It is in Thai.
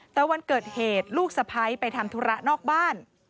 แต่วันเกิดเหตุลูกสะพ้ายไปทำธุระนอกบ้าน